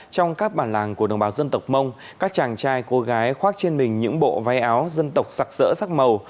trong các bản làng của đồng bào dân tộc mông các chàng trai cô gái khoác trên mình những bộ váy áo dân tộc sặc sỡ sắc màu